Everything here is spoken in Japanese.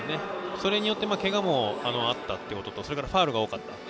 それによってけがもあったこととそれからファウルが多かった。